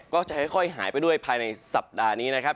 ก็จะค่อยหายไปด้วยภายในสัปดาห์นี้นะครับ